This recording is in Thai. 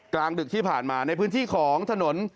กลางดึกที่ผ่านมาในพื้นที่ของถนน